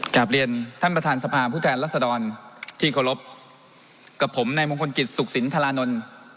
กลับเรียนท่านประธานสภาผู้แทนรัศดรที่เคารพกับผมในมงคลกิจสุขสินธรานนท์